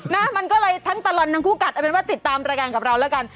นะมันก็เลยทั้งตลอดทั้งคู่กัดเอาเป็นว่าติดตามรายการกับเราแล้วกัน